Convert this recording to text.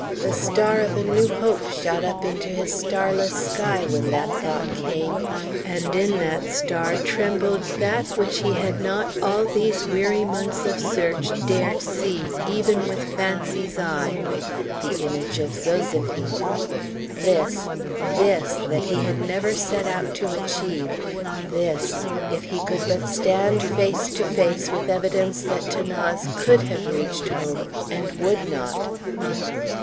The star of a new hope shot up into his starless sky when that thought came, and in that star trembled that which he had not all these weary months of search dared see even with fancy's eye, the image of Zoséphine! This this! that he had never set out to achieve this! if he could but stand face to face with evidence that 'Thanase could have reached home and would not.